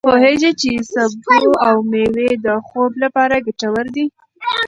ایا ته پوهېږې چې سبو او مېوې د خوب لپاره ګټور دي؟